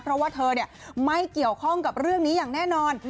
เพราะว่าเธอไม่เกี่ยวข้องกับเรื่องนี้อย่างแน่นอน